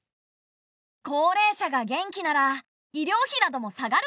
高齢者が元気なら医療費なども下がるかもしれないよね。